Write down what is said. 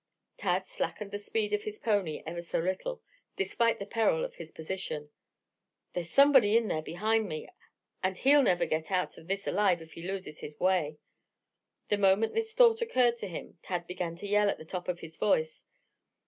Tad slackened the speed of his pony ever so little, despite the peril of his position. "There's somebody in there behind me, and, he'll never get out alive if he loses his way." The moment this thought occurred to him, Tad began to yell at the top of his voice.